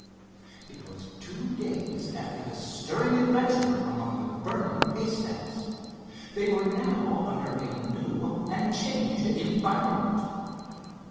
It was two days after the stirring adventure among the burning haystacks. They were now under a new and changed environment.